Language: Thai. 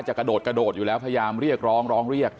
จะกระโดดอยู่แล้วพยายามเรียกร้อง